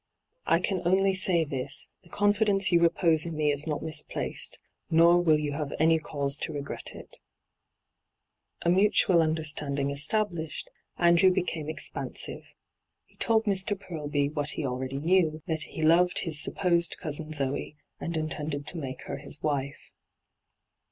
* I can only say this, the confidence yon repose in me is not misplaced, nor will you have any cause to regret if A mutual understanding established, Andrew became expansive. He told Mr. Purlby what he already knew, that he loved his supposed cousin Zoe, and intended to make her his wife.